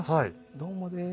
どうもです。